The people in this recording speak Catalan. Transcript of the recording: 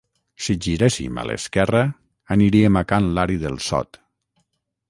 Si giréssim a l'esquerra aniríem a can Lari del Sot